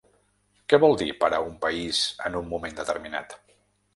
Què vol dir parar un país en un moment determinat?